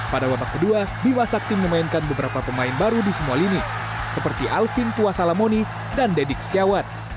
pada babak kedua bimasakti memainkan beberapa pemain baru di semua lini seperti alvin tuasalamoni dan deddy kestiawat